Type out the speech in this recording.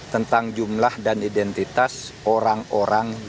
tentang jumlah dan identitas orang orang